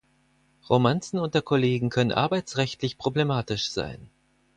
Romanzen unter Kollegen können arbeitsrechtlich problematisch sein.